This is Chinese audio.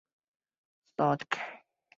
索隆多曾在安戈洛坠姆筑巢。